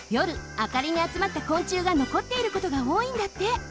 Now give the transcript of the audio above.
あかりにあつまった昆虫がのこっていることがおおいんだって。